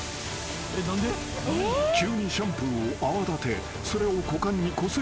［急にシャンプーを泡立てそれを股間にこすりつけている］